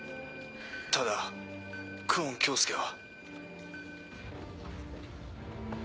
ただ久遠京介は。